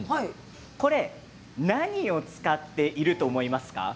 これ、何を使っていると思いますか。